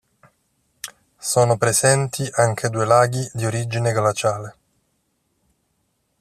Sono presenti anche due laghi di origine glaciale.